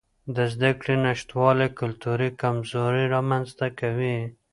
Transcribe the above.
د زده کړې نشتوالی کلتوري کمزوري رامنځته کوي.